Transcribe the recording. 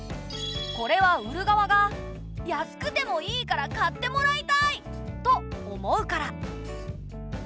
これは売る側が「安くてもいいから買ってもらいたい！」と思うから。